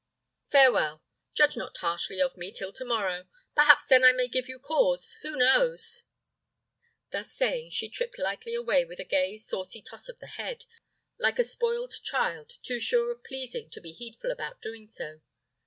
Farewell! Judge not harshly of me till to morrow; perhaps then I may give you cause; who knows?" Thus saying, she tripped lightly away with a gay saucy toss of the head, like a spoiled child, too sure of pleasing to be heedful about doing so.